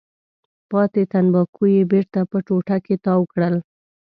پاتې تنباکو یې بېرته په ټوټه کې تاو کړل.